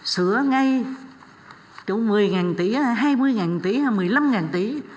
sửa ngay chỗ một mươi tỷ hai mươi tỷ hay một mươi năm tỷ